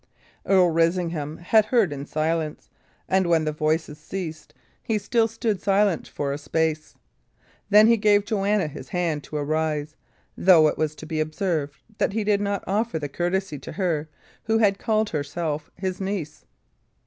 Earl Risingham had heard in silence, and when the voices ceased, he still stood silent for a space. Then he gave Joanna his hand to arise, though it was to be observed that he did not offer the like courtesy to her who had called herself his niece.